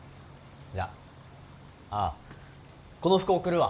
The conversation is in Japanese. ああこの服送るわ。